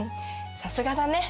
さすがだね。